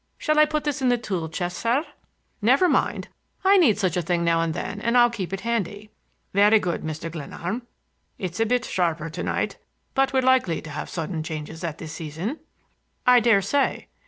Shall I put this in the tool chest, sir?" "Never mind. I need such a thing now and then and I'll keep it handy." "Very good, Mr. Glenarm. It's a bit sharper to night, but we're likely to have sudden changes at this season." "I dare say."